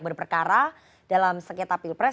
berperkara dalam sekitar pilpres